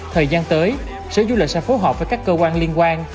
thời gian tới sở du lịch sẽ phối hợp với các cơ quan liên quan